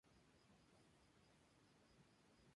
¿que no partieses?